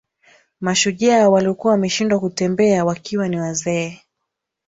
Mashujaa waliokuwa wameshindwa kutembea wakiwa ni wazee